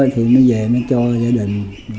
thì nó về nó cho gia đình